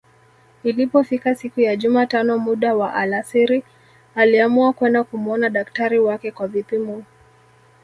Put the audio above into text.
Ilipofika siku ya jumatano muda wa alasiri aliamua kwenda kumuona daktari wake kwa vipimo